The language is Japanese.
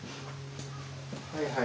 はいはい。